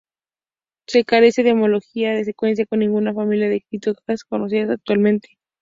Se carece de homología de secuencia con ninguna familia de citoquinas conocidas actualmente.